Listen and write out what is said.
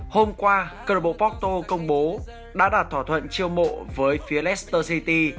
hôm qua carboporto công bố đã đạt thỏa thuận chiêu mộ với phía leicester city